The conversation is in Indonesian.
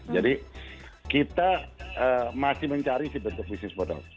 jadi kita masih mencari bentuk bisnis model